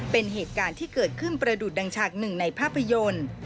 เป็นเหตุการณ์ที่เกิดขึ้นประดุษดังฉากหนึ่งในภาพยนตร์